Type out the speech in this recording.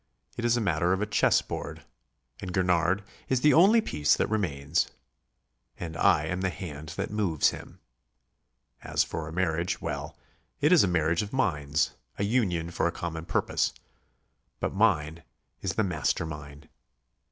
It is a matter of a chess board; and Gurnard is the only piece that remains. And I am the hand that moves him. As for a marriage; well, it is a marriage of minds, a union for a common purpose. But mine is the master mind.